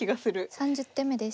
３０手目です。